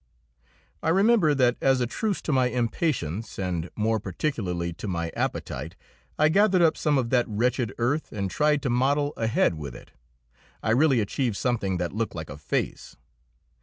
I remember that as a truce to my impatience and more particularly to my appetite I gathered up some of that wretched earth and tried to model a head with it; I really achieved something that looked like a face.